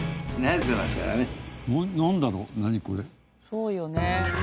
そうよね。